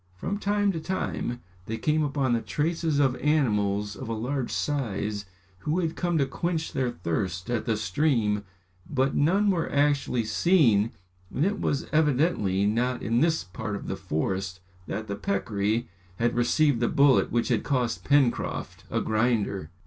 From time to time they came upon the traces of animals of a large size who had come to quench their thirst at the stream but none were actually seen and it was evidently not in this part of the forest that the peccary had received the bullet which had cost Pencroft a grinder.